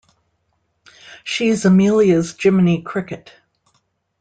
She's Amelia's Jiminy Cricket.